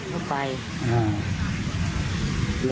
ไป๕ปีแล้ว